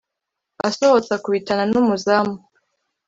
asohotse akubitana n'umuzamu